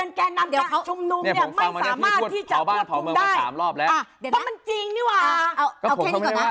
แล้วคุณรู้หรือเปล่าว่าทำไมมีพรบอการชุมนุมการจัดมอบคุณรู้หรือเปล่า